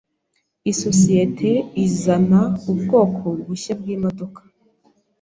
Isosiyete izana ubwoko bushya bwimodoka.